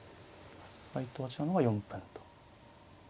斎藤八段の方は４分と。